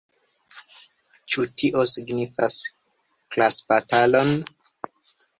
Ĉu tio signifas klasbatalon?